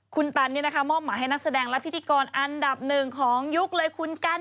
คุณตันมอบหมายให้นักแสดงและพิธีกรอันดับหนึ่งของยุคเลยคุณกัน